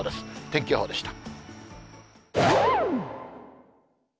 天気予報でした。